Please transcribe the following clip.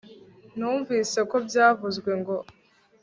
mwumvise ko byavuzwe ngo